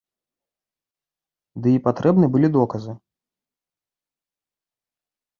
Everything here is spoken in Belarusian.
Ды і патрэбны былі доказы.